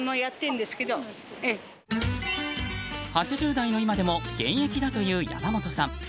８０代の今でも現役だという山本さん。